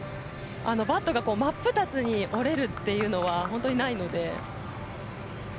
バットが真っ二つに折れるというのは本当にないので。